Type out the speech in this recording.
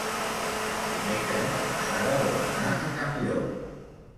Dimecres na Sara vol anar a Campllong.